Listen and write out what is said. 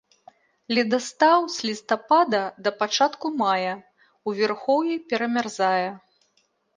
Ледастаў з лістапада да пачатку мая, у вярхоўі перамярзае.